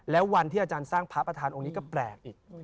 แล้ววันที่อาจารย์สร้างพระประธานองค์นี้ก็แปลกอีก